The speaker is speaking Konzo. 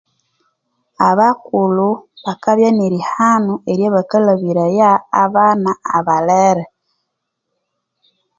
Abakulhu bakabya nerihanu erya bakalhabiraya abana abalere